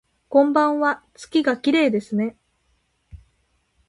こんばんわ、月がきれいですね